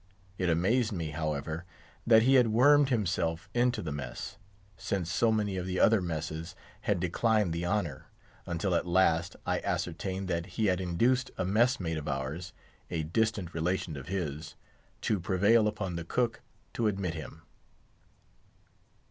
It amazed me, however, that he had wormed himself into the mess, since so many of the other messes had declined the honour, until at last, I ascertained that he had induced a mess mate of ours, a distant relation of his, to prevail upon the cook to admit him.